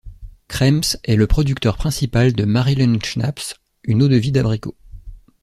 Krems est le producteur principal de Marillenschnaps, une eau-de-vie d'abricot.